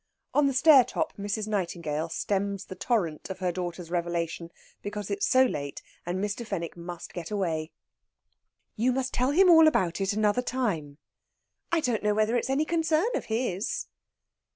On the stair top Mrs. Nightingale stems the torrent of her daughter's revelation because it's so late and Mr. Fenwick must get away. "You must tell him all about it another time." "I don't know whether it's any concern of his."